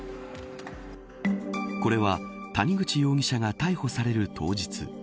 これは谷口容疑者が逮捕される当日。